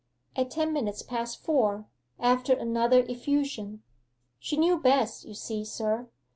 'At ten minutes past four, after another effusion. She knew best, you see, sir.